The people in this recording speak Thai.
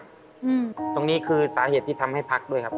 ตรงนี้คือสาเหตุที่ทำให้พักด้วยครับ